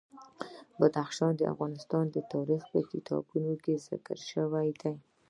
بدخشان د افغان تاریخ په کتابونو کې ذکر شوی دي.